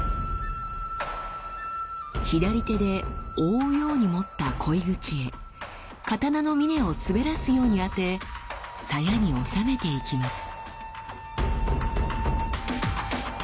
左手で覆うように持った鯉口へ刀の峰を滑らすように当て鞘に納めていきます。